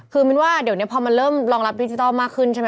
คือมีว่าเดี๋ยวเริ่มรองรับดิจิทัลมากขึ้นใช่ไหม